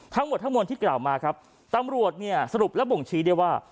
ทั้งหมดทั้งมวลที่กล่าวมาครับตำรวจเนี่ยสรุปและบ่งชี้ได้ว่า